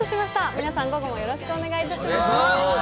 皆さん、午後もよろしくお願いいたします。